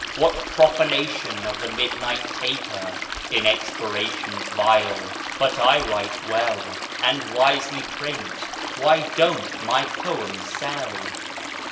"What profanation of the midnight taper In expirations vile! But I write well, And wisely print. Why don't my poems sell?"